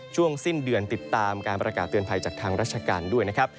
ช่วงสิ้นเดือนติดตามการประกาศเตือนภัยจากทางราชการด้วยนะครับ